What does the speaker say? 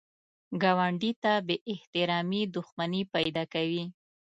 ګاونډي ته بې احترامي دښمني پیدا کوي